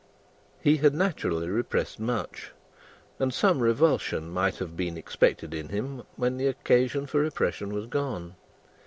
He had naturally repressed much, and some revulsion might have been expected in him when the occasion for repression was gone.